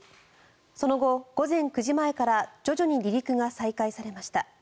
その後、午前９時前から徐々に離陸が再開されました。